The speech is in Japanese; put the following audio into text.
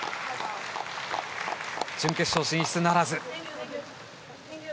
準決勝進出ならず。